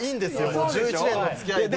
もう１１年の付き合いで。